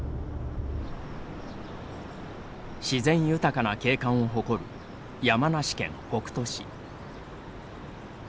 自然豊かな景観を誇る山梨県北杜市。